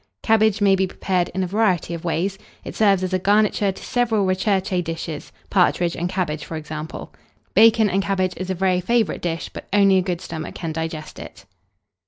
Cabbage may be prepared in a variety of ways: it serves as a garniture to several recherché dishes, partridge and cabbage for example. Bacon and cabbage is a very favourite dish; but only a good stomach can digest it.